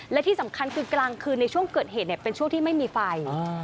และที่สำคัญคือกลางคืนในช่วงเกิดเหตุเป็นช่วงที่ไม่มีไฟ